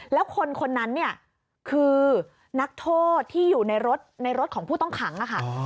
แล้วคนคนนั้นเนี่ยคือนักโทษที่อยู่ในรถในรถของผู้ต้องขังค่ะ